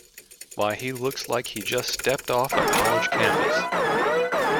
Why, he looks like he just stepped off a college campus.